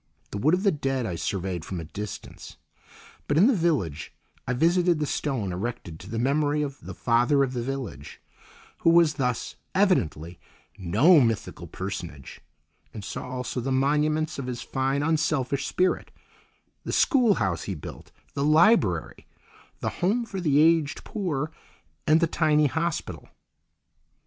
The Wood of the Dead I surveyed from a distance, but in the village I visited the stone erected to the memory of the "Father of the Village"—who was thus, evidently, no mythical personage—and saw also the monuments of his fine unselfish spirit: the schoolhouse he built, the library, the home for the aged poor, and the tiny hospital.